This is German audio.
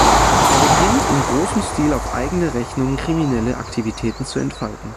Er beginnt, in großem Stil auf eigene Rechnung kriminelle Aktivitäten zu entfalten.